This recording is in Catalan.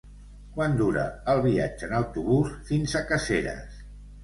Quant dura el viatge en autobús fins a Caseres?